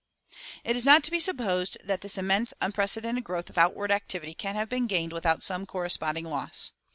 It is not to be supposed that this immense, unprecedented growth of outward activity can have been gained without some corresponding loss.